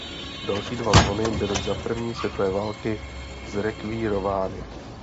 Další dva zvony byly za první světové války zrekvírovány.